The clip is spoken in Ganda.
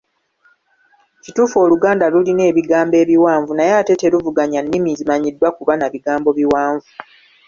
Kituufu Oluganda lulina ebigambo ebiwanvu naye ate teruvuganya nnimi zimanyiddwa kuba na bigambo biwanvu.